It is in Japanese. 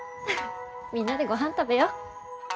みんなでごはん食べよう。